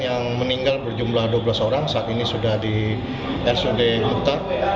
yang meninggal berjumlah dua belas orang saat ini sudah di rsud huta